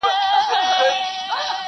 لېوه سمبول دنني وحشت ښيي ډېر،